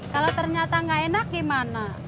kalau ternyata nggak enak gimana